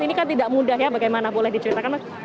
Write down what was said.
ini kan tidak mudah ya bagaimana boleh diceritakan mas